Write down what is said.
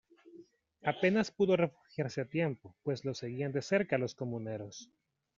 Apenas pudo refugiarse a tiempo, pues lo seguían de cerca los comuneros.